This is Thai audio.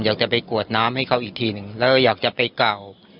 อยากจะไปกวดน้ำให้เขาอีกทีหนึ่งแล้วอยากจะไปเก่า